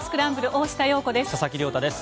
大下容子です。